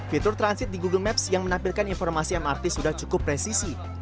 fitur transit di google maps yang menampilkan informasi mrt sudah cukup presisi